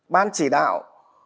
ban chỉ đạo